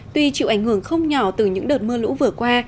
tuy chịu ảnh hưởng không nhỏ từ những đợt mưa lũ vừa qua